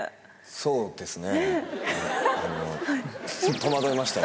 そうなんですね！